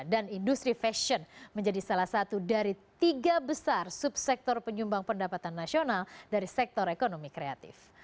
dan industri fashion menjadi salah satu dari tiga besar subsektor penyumbang pendapatan nasional dari sektor ekonomi kreatif